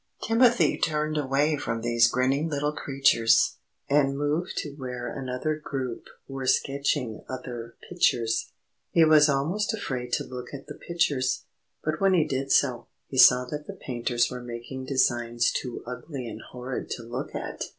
Timothy turned away from these grinning little creatures, and moved to where another group were sketching other pictures. He was almost afraid to look at the pictures, but when he did so, he saw that the painters were making designs too ugly and horrid to look at.